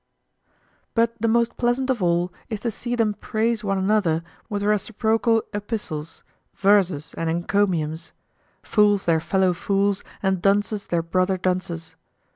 But the most pleasant of all is to see them praise one another with reciprocal epistles, verses, and encomiums; fools their fellow fools, and dunces their brother dunces.